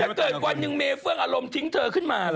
เกิดวันหนึ่งเมเฟื่องอารมณ์ทิ้งเธอขึ้นมาล่ะ